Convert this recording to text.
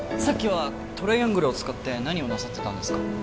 さっきはトライアングルを使って何をなさってたんですか？